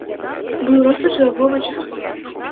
Быў роспач у яго вачах.